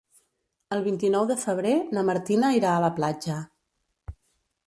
El vint-i-nou de febrer na Martina irà a la platja.